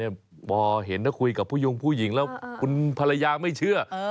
พอเห็นถ้าคุยกับผู้ยงผู้หญิงแล้วคุณภรรยาไม่เชื่อ